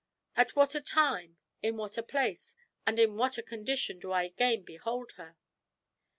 at what a time, in what a place, and in what a condition do I again behold her!"